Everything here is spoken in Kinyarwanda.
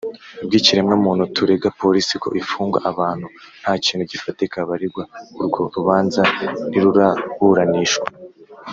Bw ikiremwamuntu turega polisi ko ifunga abantu nta kintu gifatika baregwa urwo rubanza ntiruraburanishwa